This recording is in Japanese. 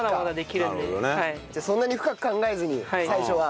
じゃあそんなに深く考えずに最初は。